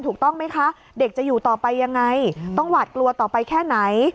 ถูกต้องไหมคะเด็กจะอยู่ต่อไปยังไงต้องหวาดกลัวต่อไปแค่ไหน